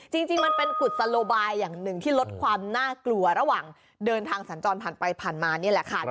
จริงมันเป็นกุศโลบายอย่างหนึ่งที่ลดความน่ากลัวระหว่างเดินทางสัญจรผ่านไปผ่านมานี่แหละค่ะ